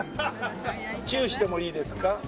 チューしてもいいですか？